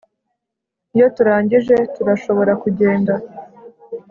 Iyo turangije turashobora kugenda